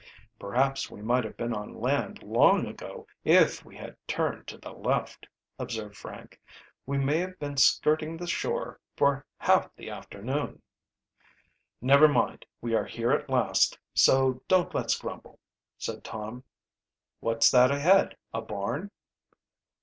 "Perhaps we might have been on land long ago if we had turned to the left," observed Frank. "We may have been skirting the shore for half the afternoon!" "Never mind, we are here at last so don't let's grumble," said Tom. "What's that ahead, a barn?"